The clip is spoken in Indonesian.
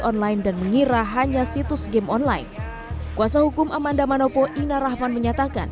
online dan mengira hanya situs game online kuasa hukum amanda manopo ina rahman menyatakan